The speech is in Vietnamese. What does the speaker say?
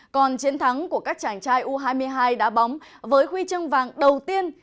còn chiến thắng của các chàng trai u hai mươi hai đá bóng với huy chương vàng đầu tiên